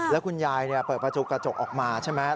แล้วคุณยายเปิดประตูกระจกออกมาใช่ไหม